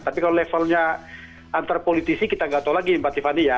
tapi kalau levelnya antar politisi kita tidak tahu lagi